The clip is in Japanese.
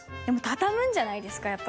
でもたたむんじゃないですか？